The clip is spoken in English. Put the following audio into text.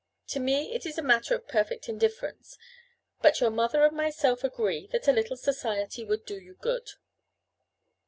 To me it is a matter of perfect indifference; but your mother and myself agreed that a little society would do you good."